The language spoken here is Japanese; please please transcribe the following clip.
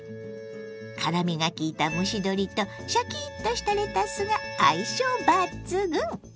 辛みがきいた蒸し鶏とシャキッとしたレタスが相性抜群！